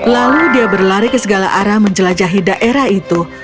lalu dia berlari ke segala arah menjelajahi daerah itu